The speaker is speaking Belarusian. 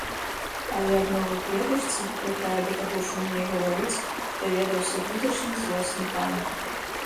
Але аб новай кветачцы, якая да таго ж умее гаварыць, даведаўся туташні злосны пан.